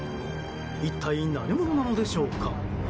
一体何者なのでしょうか。